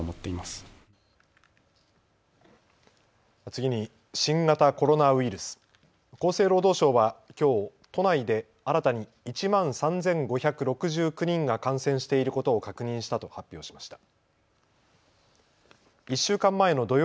次に新型コロナウイルス、厚生労働省はきょう都内で新たに１万３５６９人が感染していることを確認したと発表しました。